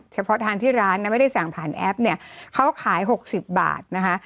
เฉพาะทานที่ร้านนะไม่ได้สั่งผ่านแอปเนี่ยเขาขาย๖๐บาทนะคะ